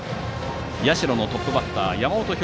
社のトップバッター山本彪